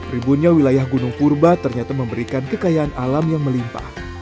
ribunya wilayah gunung purba ternyata memberikan kekayaan alam yang melimpah